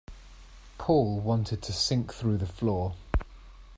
Paul wanted to sink through the floor.